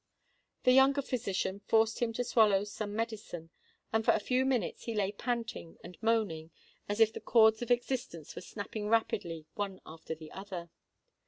The younger physician forced him to swallow some medicine; and for a few minutes he lay panting and moaning as if the chords of existence were snapping rapidly one after the other.